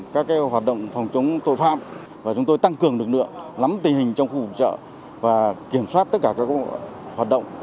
các hoạt động phòng chống tội phạm và chúng tôi tăng cường lực lượng lắm tình hình trong khu vực chợ và kiểm soát tất cả các hoạt động